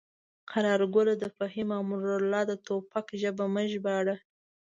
قراره ګله د فهیم او امرالله د ټوپک ژبه مه راژباړه.